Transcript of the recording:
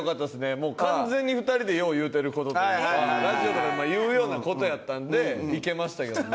もう完全に２人でよう言うてる事というかラジオとかでも言うような事やったんでいけましたけどね。